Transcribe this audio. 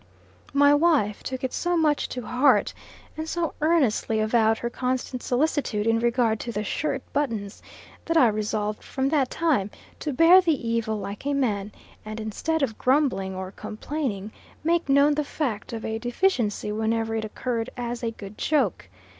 My wife took it so much to heart, and so earnestly avowed her constant solicitude in regard to the shirt buttons, that I resolved from that time, to bear the evil like a man, and instead of grumbling or complaining, make known the fact of a deficiency whenever it occurred, as a good joke.